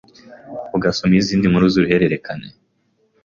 ugasoma izindi nkuru z’uruhererekane